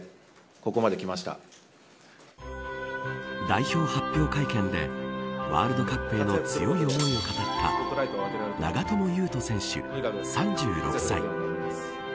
代表発表会見でワールドカップへの強い思いを語った長友佑都選手、３６歳。